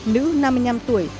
nữ năm mươi năm tuổi